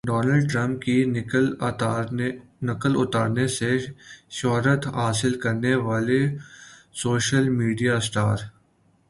Donald Trump کی نقل اتارنے سے شہرت حاصل کرنے والی سوشل میڈیا اسٹار